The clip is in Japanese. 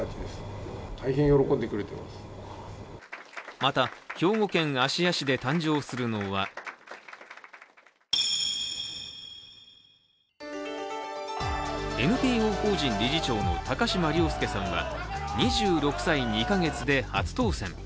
また、兵庫県芦屋市で誕生するのはＮＰＯ法人理事長の高島崚輔さんは２６歳２か月で初当選。